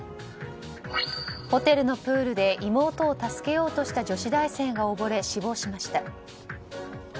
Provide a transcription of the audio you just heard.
ホテルのプールで、妹を助けようとした女子大生が溺れ死亡しました。